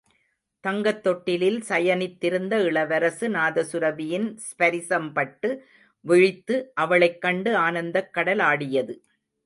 தங்கத் தொட்டிலில் சயனித்திருந்த இளவரசு நாதசுரபியின் ஸ்பரிசம்பட்டு விழித்து, அவளைக் கண்டு ஆனந்தக் கடலாடியது.